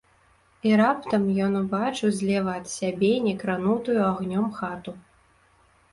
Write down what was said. І раптам ён убачыў злева ад сябе не кранутую агнём хату.